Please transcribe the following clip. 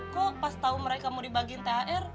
kok pas tau mereka mau dibagiin thr